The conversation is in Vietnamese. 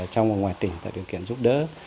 trong và ngoài tỉnh tại điều kiện giúp đỡ